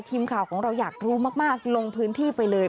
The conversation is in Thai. ทีมข่าวของเราอยากรู้มากลงพื้นที่ไปเลย